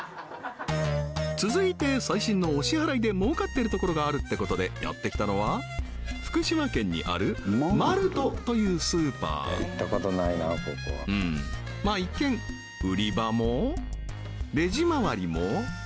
続いて最新のお支払いで儲かってるところがあるってことでやってきたのは福島県にあるマルトというスーパーうんまあ一見ってあれっ？